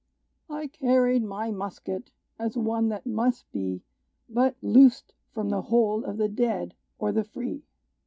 "I carried my musket, as one that must be But loosed from the hold of the dead, or the free!